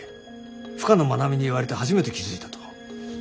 深野愛美に言われて初めて気付いたと。